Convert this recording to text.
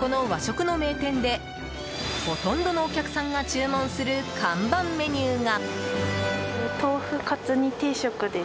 この和食の名店でほとんどのお客さんが注文する看板メニューが。